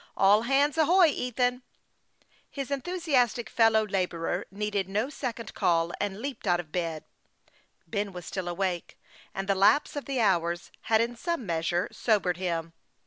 " All hands ahoy, Ethan !" His enthusiastic fellow laborer needed no second call, and leaped out of bed. Ben was still awake, and the lapse of the hours had in some measure sobered him.